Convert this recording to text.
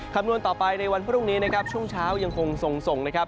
คำนวณต่อไปในวันพรุ่งนี้ช่วงเช้ายังคงส่ง